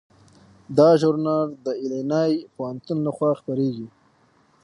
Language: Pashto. دا ژورنال د ایلینای پوهنتون لخوا خپریږي.